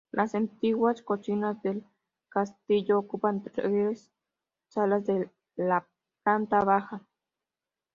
Las antiguas cocinas del castillo ocupan tres salas de la planta baja.